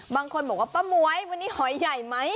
บางคนบอกว่าป้าม้วยวันนี้หอยใหญ่ไหม